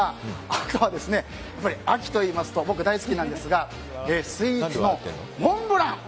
あとは、秋といいますと僕、大好きなんですがスイーツのモンブラン！